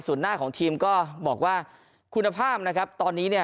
ส่วนหน้าของทีมก็บอกว่าคุณภาพตอนนี้